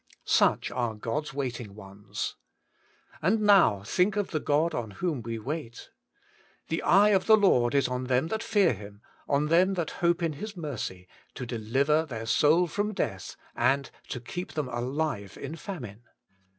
Such are God's waiting ones. And now, think of the God on whom we wait. *The eye of the Lord is on them that fear Him, on them that hope in His mercy ; to deliver theiz WAITING ON GOD! 57 ^oul from death, and to keep them ative in famine.'